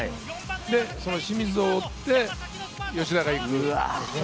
その清水を追って吉田がいく。